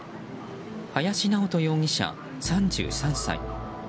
林直人容疑者、３３歳。